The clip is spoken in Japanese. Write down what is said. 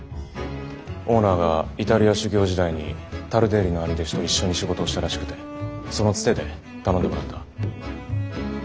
オーナーがイタリア修業時代にタルデッリの兄弟子と一緒に仕事をしたらしくてそのツテで頼んでもらった。